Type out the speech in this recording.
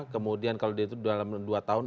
kemudian kalau dia itu dalam dua tahun